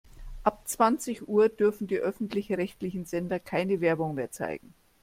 Ab zwanzig Uhr dürfen die öffentlich-rechtlichen Sender keine Werbung mehr zeigen.